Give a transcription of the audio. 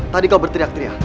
tadi kau berteriak teriak